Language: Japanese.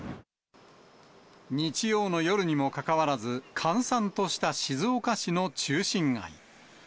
日曜の夜にもかかわらず、閑散とした静岡市の中心街。